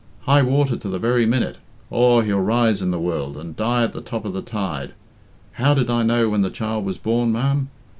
High water to the very minute aw, he'll rise in the world, and die at the top of the tide. How did I know when the child was born, ma'am?